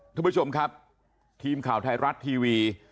ท่านผู้ชมครับทีมข่าวไทยรัฐทีวี